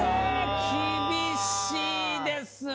厳しいですね。